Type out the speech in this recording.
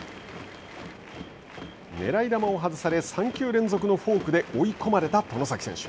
狙い球を外され３球連続のフォークで追い込まれた外崎選手。